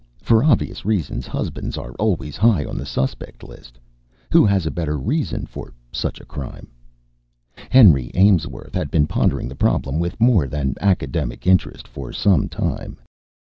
For obvious reasons, husbands are always high on the suspect list. Who has a better reason for such a crime? Henry Aimsworth had been pondering the problem with more than academic interest for some time.